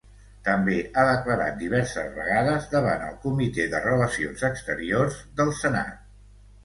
També ha declarat diverses vegades davant el comitè de relacions exteriors del senat.